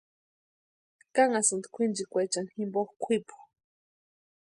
Kanhasïnti kwʼinchikwechani jimpo kwʼipu.